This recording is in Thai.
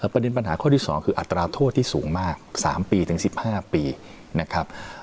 ประเด็นปัญหาข้อที่๒คืออัตราโทษที่สูงมาก๓ปีถึง๑๕ปีนะครับ